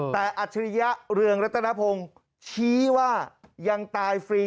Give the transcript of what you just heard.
แต่เป็นอัศริยะเวรและตนพงศ์ชี้ว่ายังตายฟรี